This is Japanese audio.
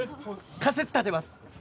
仮説立てます